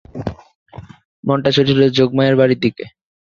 মনটা ছুটেছিল যোগমায়ার বাড়ির দিকে।